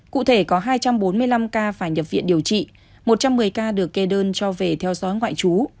cụ thể có hai trăm bốn mươi năm ca phải nhập viện điều trị một trăm một mươi ca được kê đơn cho về theo dõi ngoại trú